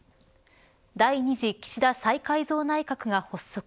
第２次岸田再改造内閣が発足。